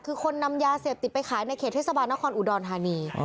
คือคนนำยาเสพติดไปขายในเขตเทศบาลนครอุดรธานี